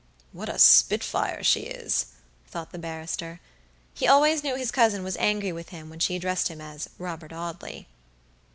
"What a spitfire she is," thought the barrister. He always knew his cousin was angry with him when she addressed him as "Robert Audley."